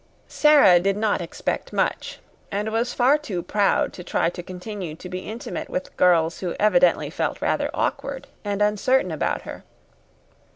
Sara did not expect much, and was far too proud to try to continue to be intimate with girls who evidently felt rather awkward and uncertain about her.